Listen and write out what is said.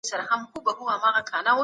مېلمه د خدای دوست دی.